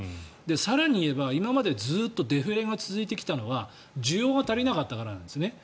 更に言えば、今までずっとデフレが続いてきたのは需要が足りなかったからなんですね。